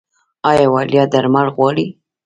ایا وړیا درمل غواړئ؟